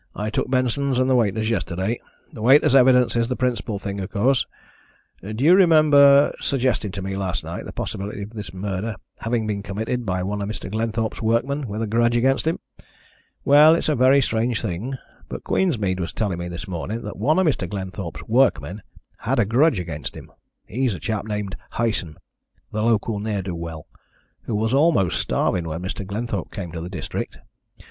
I took Benson's and the waiter's yesterday. The waiter's evidence is the principal thing, of course. Do you remember suggesting to me last night the possibility of this murder having been committed by one of Mr. Glenthorpe's workmen with a grudge against him? Well, it's a very strange thing, but Queensmead was telling me this morning that one of Mr. Glenthorpe's workmen had a grudge against him. He's a chap named Hyson, the local ne'er do well, who was almost starving when Mr. Glenthorpe came to the district.